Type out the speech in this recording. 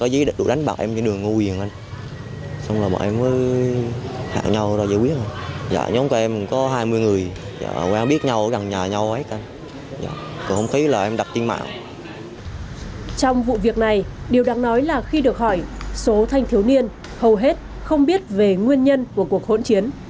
trong vụ việc này điều đáng nói là khi được hỏi số thanh thiếu niên hầu hết không biết về nguyên nhân của cuộc hỗn chiến